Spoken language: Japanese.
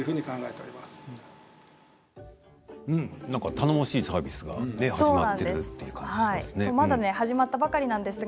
頼もしいサービスが始まっている感じがしますね。